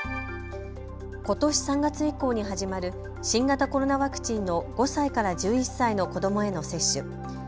ことし３月以降に始まる新型コロナワクチンの５歳から１１歳の子どもへの接種。